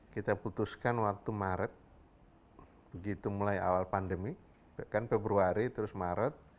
kita putuskan waktu maret begitu mulai awal pandemi kan februari terus maret